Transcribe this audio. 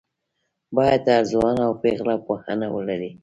باید هر ځوان او پېغله پوهنه ولري